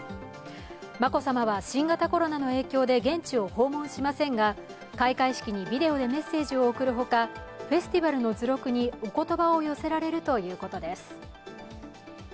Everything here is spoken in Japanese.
眞子さまは新型コロナの影響で現地を訪問しませんが、開会式にビデオでメッセージを送るほか、フェスティバルの図録におことばを寄せられるということです。